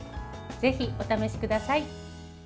ぜひお試しください。